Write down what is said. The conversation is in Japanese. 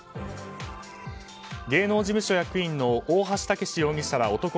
芸能事務所役員の大橋剛容疑者ら男